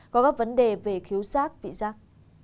có các vấn đề về khiếu giác vị giác